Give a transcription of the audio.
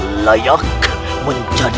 menjadi orang kepercayaanku